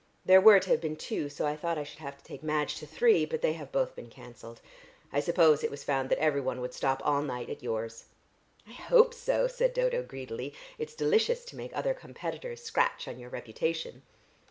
There were to have been two so I thought I should have had to take Madge to three, but they have both been cancelled. I suppose it was found that everyone would stop all night at yours." "I hope so," said Dodo greedily. "It's delicious to make other competitors scratch on your reputation."